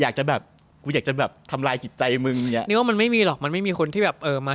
ค่อยเข้าใจเขา